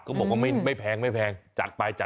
ก็บอกว่าไม่แพงจัดไป